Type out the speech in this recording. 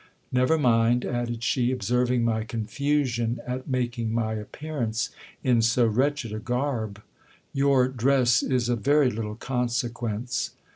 Never mind, added she, observing my confusion at making my appearance in so wretched a garb ; your dress is of very little consequence.